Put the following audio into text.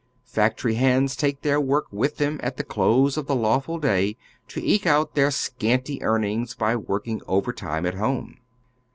Factory hands take their work with them at the close of the lawful day to eke out their scanty earn ings by working overtime at iioine.